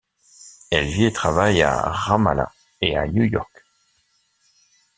Elle vit et travaille à Ramallah et à New York.